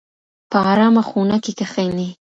په ارامه خونه کې کښینئ.